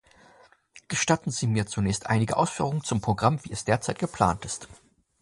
Gestatten Sie mir zunächst einige Ausführungen zum Programm, wie es derzeit geplant ist.